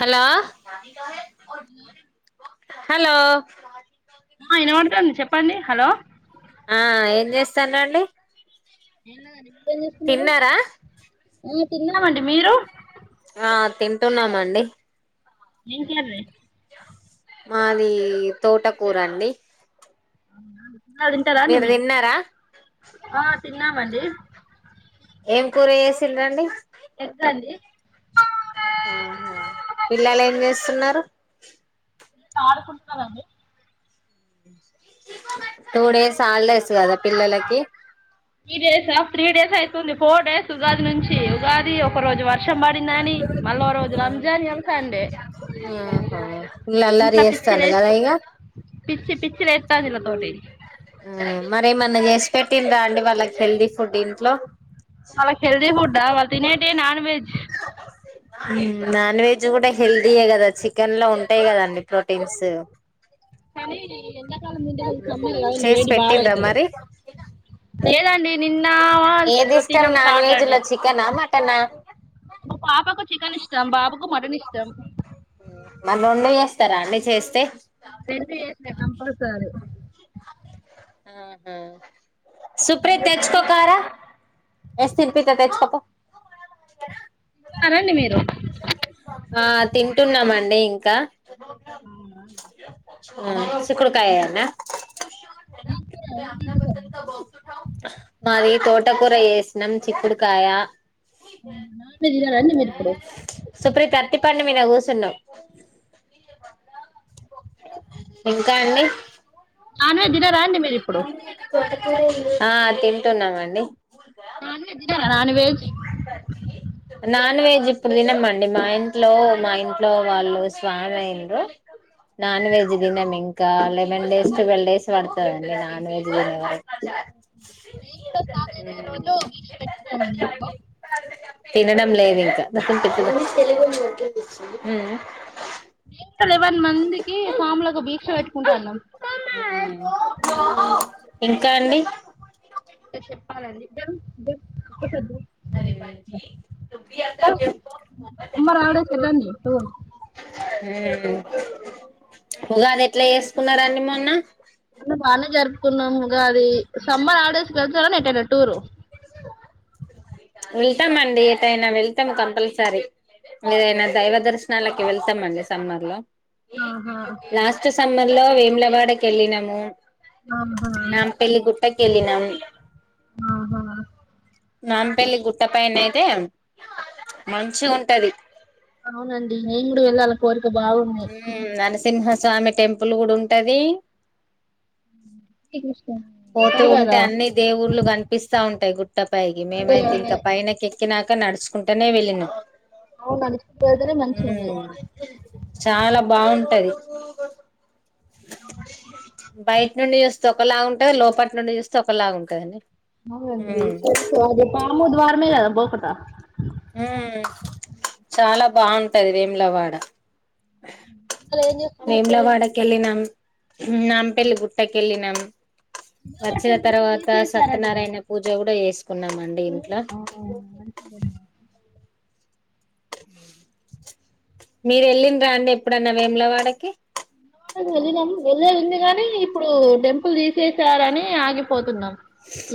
Hello hello ఆ ఇనబడతాంది చెప్పండి హలో ఆ ఏం జేస్తన్ర అండి ఏలా గని తిన్నారా హు తిన్నామండి మీరు ఆ తింటున్నామ్ అండి ఏం కర్రీ మాది తోటకూర అండి అవునా మళ్ళ తింటారా అండి మీరు మీ తిన్నారా ఆ తిన్నాం అండి ఏం కూర చేసిన్రండి ఎగ్ అండి పిల్లలు ఏం చేస్తున్నారు ఆడుకుంటున్నారండి టూ డేస్ హాలిడేస్ కదా పిల్లలకి త్రీ డేసా ఆ త్రీ డేస్ అయితుంది ఫోర్ డేస్ ఉగాది నుంచి ఉగాది ఒక్క రోజు వర్షం వర్షం పడిందని మళ్ళ ఓ రోజు రంజాన్ ఇగ సండే ఆహా వీళ్ళు అల్లరి ఇంట్లో పిచ్చి చేస్తాండ్రు లెస్ కదా పో ఇగ పిచ్చి పిచ్చి లేస్తాంది ఇళ్ళ తోటి మారెమ్మన్న చేసి పెట్టిండ్రా అండి వాళ్ళకి హెల్దీ ఫుడ్ ఇంట్లో వాళ్ళకి హెల్ది ఫుడా వాళ్ళ తినేటె నాన్ వెెజ్ నాన్ వెజ్ కూడా హెల్దీయే కదా చికెన్ లో ఉం ఉంటాయి కదండి ప్రోటీన్సు ఎండకాలం వేడి బాగా అవుతుంది మరి లేదండి నిన్న ఏది ఇష్టం తినం నాన్ వెజ్ సాటే లో చికెనా మటనా మా పాపాకు చికెన్ ఇష్టం బాబుకు మటన్ ఇష్టం మళ్ల రెండు చేస్తారా అండి చేస్తే రెండు చేస్తా కంపల్సరీ ఆహా సుప్రియ తెచ్చకో కార ఎగ్స్ తినిపిత్త తెచ్చుకో పో తిన్నారా అండి మీరు స ఆ తింటున్నామండి ఇంకా అవునా చిక్కుడు కాయ నా ఏం కూర ఏం తింటున్నావ్ మట్ట కూర వేసాం చిక్కుడుకాయ నాన్ వెజ్ తినరా అండి మీరు ఇప్పుడు సుప్రీత అరటిపండు మీద కూర్చున్నావు ఇంకా అండి నాన్ వెజ్ తినరా అండి మీరు ఇప్పుడు ఆ తింటున్నామండి నాన్ వెజ్ తినరా నాన్ వెజ్ నాన్ వెజ్ ఇప్పుడు తినమండి మా ఇంట్లో మా ఇంట్లో వాళ్ళు స్వామి అయ్యిండ్రు నాన్ వెజ్ తినం ఇంకా లెవెన్ డేస్ టుల్వ్ డేస్ పడుతాదండ నాన్ వెజ్ తినే వర మేం కూడా స్టార్ట్ చేసే రోజు దీక్ష పెట్టుకున్నామండీ ఇంట్లో తినడం లేదు ఇంకా నే ఎలెవన్ మందికి సాములకు ఒక భీక్ష పెట్ ఇకా అండి పడి జ జ సదు అరే బ అ చె సమ్మర్ హాలిడేస్ ఎటండి టూర్ ఉగాది ఎట్లా చేసుకున్నారండి మొన్న ఉ బాల జరు కున్నాము ఉగాది సమ్మర్ హాలిడేస్ కి వెళ్తారా ఏటన్నా టూర్ వెళ్తామండి ఏటైనా వెళ్తాం కంపల్సరీ ఏదైనా దైవ దర్శనాలకి వెళ్తామండి సమ్మర్ లో ఆహా లాస్ట్ సమ్మర్ లో వేములవాడకి వెళ్ళినాము ఆహా నాం పళ్లి గుట్టకల్లీనం ఆహా నాంపల్లి గుట్ట పైన అయితే మంచిగాఉంటది అవునండి నేను కూడా వెళ్ళాల కోరి ఉ అన సింహస్వామి టెంపుల్ కూడా ఉంటది ఇ పోతూ ఉంటే అన్నిీ దేవుళ్ళలు కనిపిస్తా ఉంటా టీ గు ట్ట పైగి అదే మేమైతే అదే ఇంకా పైనకి తకినాక నడుచుకుంటేనే వెళ్ళిన అవును నడుచుకుంటూ వెళ్తేనే మంచిది చాలా బాగుంటది బయట నుండి చూస్తే ఒకల అ లోపల నుండి చూస్త ఒకలాగా ఉంటుందని అీ అదే పాము ద్వారమే గాద బకటా హ చాలా బాగుంటది వేములవాడ అసలు ఏం చేస్తున్నారు వెంలవడకే వెళ్ళినాం నాంపెలి గుట్టక వెళ్లి నం వచ్చిన టెంపుల్ ఇప్పుడు తర్వాత తీసేసారట కదా సత్యనారాయణ పూజ కూడా చేసి పున్నమ ఇంట్లో ఆ మంచిది మీరు వెళ్ళిండ్ర అండి ఎప్పుడన్నా వేములవాడ కి వేములవాడ కు వెళ్ళినాం వెళ్లేది ఉంది కాని ఇప్పుడు టెంపుల్ తీసేసారని ఆగిపోతు న్నాం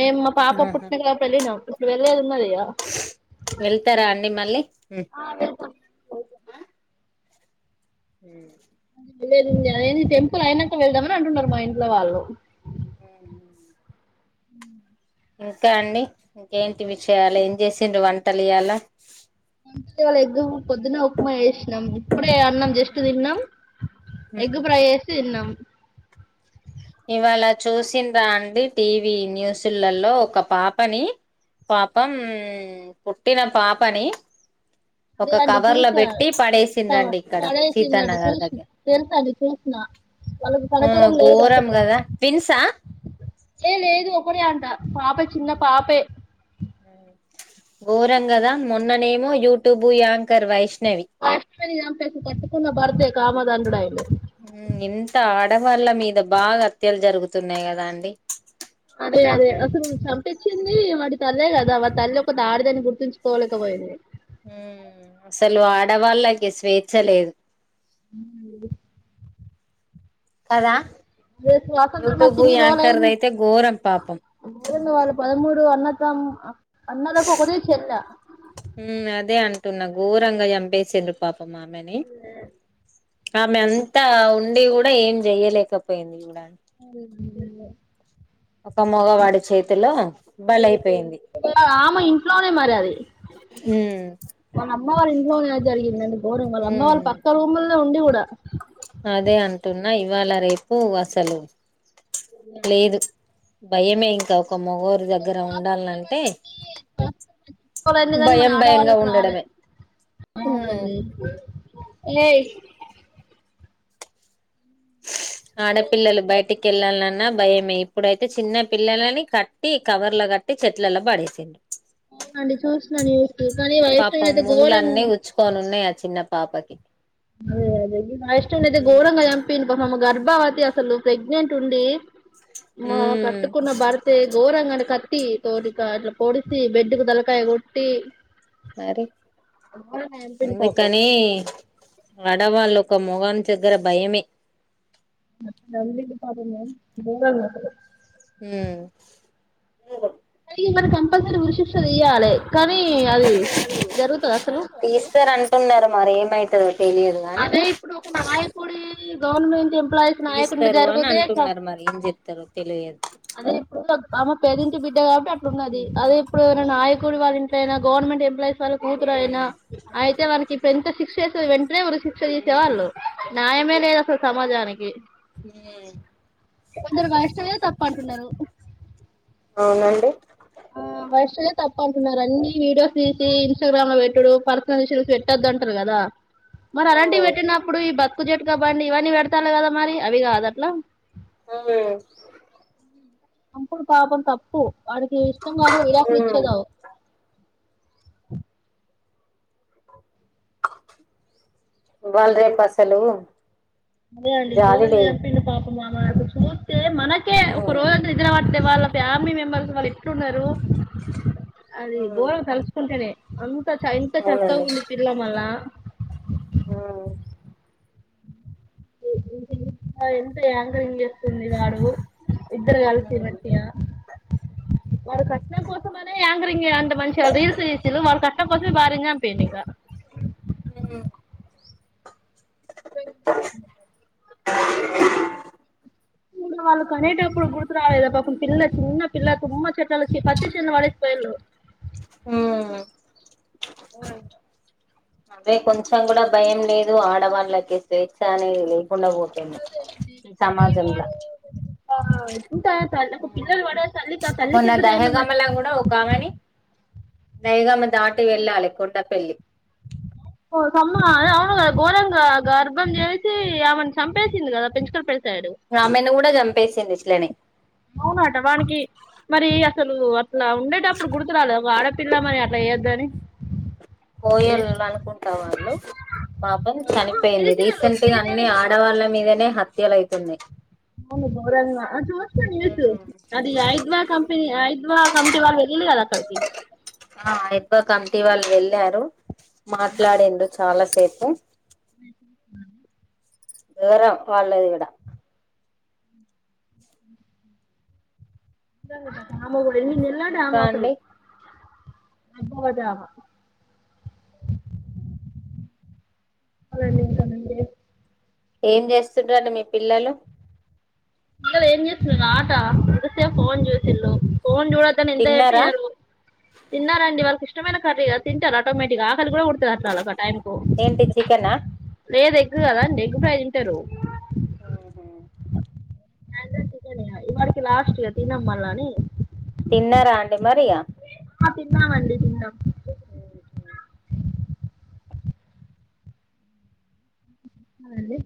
మేము మా పాప ఆహా పుట్టినప్పుడు వెళ్ళినం [unintelligible] వెళ్తారా అండి మళ్ళీ హు లేదండి అదే టెంపుల్ అయినాక వెళ్దామని అంటున్నారు మా ఇంట్లో వాళ్ళు హు హు ఉ ఇంకా అండి ఇంకేంటి విషయాలు ఏం చేసిండ్రు వంటలు ఇయ్యాల ఇవాళ్ళ ఎగ్గ పొద్దున్న ఉప్మా చేసినాం ఇప్పుడే అన్నాం జస్ట్ తిన్నాం ఎగ్గు ప్రై చేసి తిన్నాం. ఇవాళ చూసిండ్రా అండి టీవీ న్యూసుల్లలో ఒక పాపని పాపం పుట్టిన పాపని అదే ఒక అండి కవర్ లో చూసా పెట్టి పడేసిండ్రండి ఇక్కడ పడేసిందట సీతానగర్ చూసినా దగ్గర తెలుసా అండి చూసిన వాళ్ళకు ఆ కనికరం లేదు ఘోరం అసలు కదా ట్విన్సా ఏ లేదు ఒకడే అంట పాప చిన్న పాపే గోరం కదా మొన్న నేమొ యూట్యూబు యాంకర్ వైష్ణ్ [unintelligible] చెంపేసింది కట్టుకున్న బర్తే కామన్ [unintelligible] ఇంత ఆడవాళ్ల్ మీద బాగా హత్యలు జరుగుతున్నాయి కదా అండి. అ చంపించింది వాడి తల్లే కదా వాడి తల్లి ఒక ఆడదని గుర్తించుకోలేకపోయింది. హ్మ్ అసలు ఆడవాళ్ళకి స్వేచ్ఛ లేదు హు కదా స్వాతంత్రం వచ్చి యూట్యూబ్ ఇన్ని రోజుల యాంకర్ది అయితే ఘోరం పాపం [unintelligible] పదమూడు అన్న హమ్మ అన్నలకు ఒకతే చెల్లా టున్న గోరంగ చంపేసిరు పాపం పాపం ఆమె నీ ఆమె అంతా ఉండి కూడా ఏం చెయలేకపోయింది కుడా అరె నువ్వే ఒక మగవాడి చేతిలో అయిపోయింది బలైపోయింది ఆమె ఇంట్లోనే మరి అది మ్మ్ వాళ్ళ అమ్మవాళ్ళ ఇంట్లోనే జరిగింది అది గోరం వాళ్ళ అమ్మ వాళ్లు మ్మ్ పక్క రూములో ఉండి కూడా డ అదే అంటున్నా ఇవాళ రేపు అసలు లేదు భయమే ఇంకా ఒక మొగోని దగ్గర స్వాతంత్రం ఉండాలంటే వచ్చి స్వాతంత్రం కానీ మన భయం భయంగా ఆడవాళ్ళకి రాలేదు ఉండడమే అవునండి ఏ ఘోరంగా. ఆడపిల్లలు బయటికి వెళ్ళాలన్న భయమే ఇప్పుడైతే చిన్న పిల్లలని కట్టి కవర్ల కట్టి చెట్లలో పడేసిండు అవునండి చూసిన న్యూస్ కానీ వైష్ణవి పాపం అయితే ఘోరం ముండ్లన్నీ గుచ్చుకోని ఉన్నయ్ ఆ చిన్న పాపకి అదే అదే వైష్ణవినైతే ఉమ్ ఘోరంగా చంపిండు మొహం గాని బా అది అసలు ప్రెగ్నెంట్ ఉండి మా కట్టుకున్న భర్తే గోరంగణ కత్తి తోటికా అట్లా పొడిసి బెడ్ కు తలకాయ కొట్టి మరి ఘోరంగా చంపిండు పాపం అందుకని ఆడవాళ్ళు ఒక మొగొని దగ్గర భయమే [inaudible] ఉమ్ ఇగ కంపల్సరీ ఉరిశిక్ష తీయ్యాలే కానీ అది జరుగుతాద అసలు తదో అదే ఇప్పుడు ఒక నాయకుడి గవర్నమెంట్ ఎం తిస్తారు అని అంటున్నారు మరి ఏం చెప్తారు తెలియదు అదే ఇప్పుడు ఆమే పేదింటి బిడ్డ కాబట్టి ఇట్లున్నది హ్మ్ అది ఇప్పుడు ఎవరైనా నాయ కూడా వాళ్ళ ఇంట్లో అయినా గవర్నమెంట్ ఎంప్లాయస్కు వాళ్ల కూతురయినా అయితే వానికి ఇప్పుడు ఎంత సిస్ చేశా వెన్ ఏ ఉరిశిక్ష తీసే హ్మ్ వాళ్ళు న్యాయమే లేదు అసలు సమాజానికి హ్మ్ కొందరు మనుషులే తప్ పంటున్నారు అవునండి వైష్ణవిదే తప్పు అంటున్నారు అన్ని వీడియోస్ తీసి ఇన్స్టాగ్రామ్ లో పెట్టుడు పర్సనల్ ఇష్యూస్ పెట్టొద్దు అంటరు కదా మరి అలాంటివి పెట్టినప్పుడు ఈ బతుకు జట్ బండి ఇవన్నీ పెడతారులే కదా, మరి అవి కాద అట్లా. ఊ అప్పుడు పాపం తప్పు. వాడికి ఇష్టంగాకు విడాకులు ఇచ్చేదా [inaudible] [unintelligible] వాళ్ళ రేపసలు అదే అండి గోరంగా చంపిండు పాపం. తమమ అచ్చ మనకే ఒక హ్మ్ రోజు నిద్రపట్ అంటే వాళ్ళ ఫ్యామిలీ మెంబర్స్ వాళ్ళు ఎట్లున్నారు. అది హ్మ్ గోరం తలస్కుంటనే అ ఎంత చక్కగా ఉంది పిల్ల మళ్ళ ఆ [unintelligible] ఎంత యాంకరింగ్ చె ఉంది వాడు ఇద్దరు కలిసి మంచి గా వాడు కట్నం కోసం అనే యాంకరింగ్ అంత మంచి రీల్స్ తీస వాళ కట్నం కోసమే భార్య నీ చంపిండు ఇక హు స [unintelligible] ఇ వాళ్ళు కనేటప్పుడు గుర్తు రాలేదా, పాపం పిల్ల చిన్న పిల్ల తుమ్మ చెట్లు వచ్చి పతి చిన్న పాడే పోయురు. ఊ ఓ అదే కొంచెం కూడా భయం లేదు. ఆడవాళ్ళకి స్వేచ్ఛ అనేది కొండ పోతుంది ఈ సమాజంలా ఇంకా తల్లి ఒక పిల్లలు పడే తల్లికి ఆ తల్లికి మొన్న ఎదురైన దహగమలా కూడా ఒక ఆమెని నైగామ్మ దాటి వెళ్ళాలి కొట్ట పల్లి హమ్మ అది అవును కదా ఘోరంగా గర్భం చేసి ఆమెను చంపేసింది. కదా పెంచుకొని పె ఆమెను కూడా జాంపేసిందు ఇట్లనే. అవునట వాడికి మరి అసలు అట్లా ఉండేటప్పుడు గుర్తు రాలేదా, ఒక ఆడపిల్ల మరి అట్లా వేయొద్దని. కోయొళ్ళు అనుకుంటా వాళ్ళు పాపం చనిపోయింది. గిరిజనులు రీసెంట్ గా అన్ని గిరిజనులు ఆడవాళ్ళ మీదనే హత్ హత్య లవుతున్నాయి. అవును గోరంగా చూస్తా న్యూస్ అది ఐద్వా కంపెనీ ఐద్వా కమిటీ వాళ్ళు వెళ్లారు అక్కడికి ఆ ఎక్కువ కమిటీ వాళ్ళు వెళ్ళారు. మాట్లాడిండు చాలా సేపు హ్మ్ దూరం వాళ్ళది కూడా నిజంగా దా దామ్ కూడ్ నేల్ నెల్లా ఇంకా డ్రామా అసలు అండి అయిపొగొట్టా బా అవునండి ఏంటోనండి ఏం చేస్తుండ్రు అండి మీ పిల్లలు పిల్లలు ఏం చేసంద్ ఆట ఎంతసేప్ ఫోన్ చూసిళ్ళు ఫోన్ చూడద్దని ఎంత చెప్ప్ తిన్నారా ఇనరు తిన్నారండి వాళ్ళకిష్ ఇష్టమైన కర్రీగా తింటార్ ఆటోమేటి గా కాల్ కూడా కుడుతది అట్లా ఒక టైం కు ఏంటి చికెనా లేదే గ్ కదా ఎగ్ ఫ్రై తింటరు ఉహు రంజన్ [unintelligible] ఇవాడికి లాస్ట్ ఇగ తినం మల్లని తిన్నారా అండి మరి ఇగా ఆ తిన్నమండీ తిన్నాం ఉహు ఆ అండి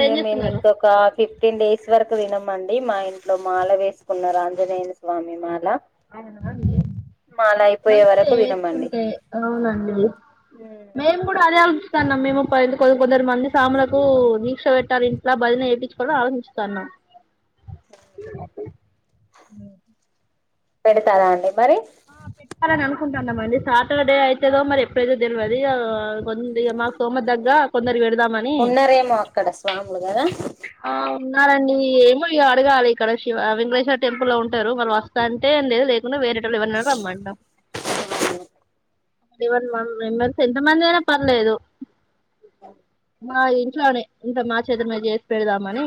మేం మేం మేము ఇంకొక ఫిఫ్టీన్ డేస్ ఇది వరకు తినమండీ మా ఇంట్లో మాల వేసుకున్నారు ఆంజనేయుని స్వామి మాల మాల అయిపోయే మంచిదే వరకు తినమండి వేసుకుంటే అవునండి మేము కూడా అదే అనుకున్ స్తన్నాం మేము కొ కొందరు మంది సాములకు దీక్ష పెట్టాలి ఇంట్లా భజన వేయించుకోవల ఆలోచిస్తాన్నాం [unintelligible] పెడతారా అండి మరి ఆ పెట్టాలని అనుకుంటున్నామండి సాటర్డే అయితేదో మరి ఎప్పుడైతే తేల్వదీ ఇగా కొదిగా మాకు సోమ దగ్గ కొందరు పెడదామని ఉన్నారేమో అక్కడ స్వాములు గదా ఆవ్ ఉన్నారండి ఏమో ఇగ అడగాలి ఇక్కడ శివ వెంకటేశ్వర్ టెంపుల్ లో ఉంటారు వాళ్ళు వస్తాంటే లేదు లేకుంటే వేరేట్టోళ్ళు ఎవరన్నా రమ్మంటాం ఈవెన్ వన్ మెంబర్స్ ఎంతమంది అయినా పర్లేదు మా ఇంట్లోనే అంటే మా చేతులు మీద చే పెడదామని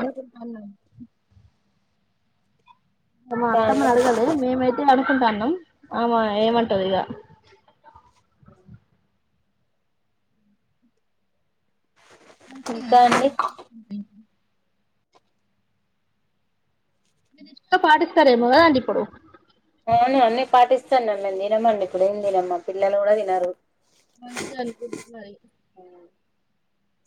అనుకుంటావున్నాం మా ఇంకా అత్తమ్మ నీ అండి అడగాలి మే మైతే మేము అనుకుంటన్నాం ఆమా ఏమంటాదో ఇగా ఇంకా అండి [inaudible] [inaudible] పాటిస్తారేమో కదండి ఇప్పుడు అవును అన్నీ పట్టిస్తాన్ [inaudible] తినమండి ఇప్పుడు [inaudible] తినం పిల్లలు కూడా తినరు మంచిగా అనుకుంటున్నాను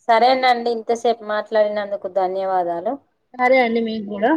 సరేనండి ఇంతసేపు మాట్లాడినందుకు ధన్యవాదాలు సరే అండి మీకు కూడా